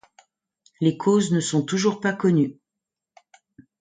Les causes ne sont pas toujours connues.